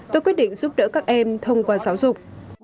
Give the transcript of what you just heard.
tôi quyết định giúp đỡ các em thông qua giáo dục